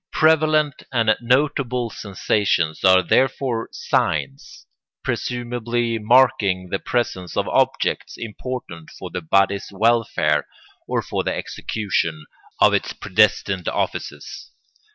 Prevalent and notable sensations are therefore signs, presumably marking the presence of objects important for the body's welfare or for the execution of its predestined offices.